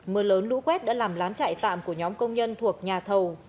mưa lớn lũ quét đã làm lán chạy tạm của nhóm công nhân thuộc nhà thầu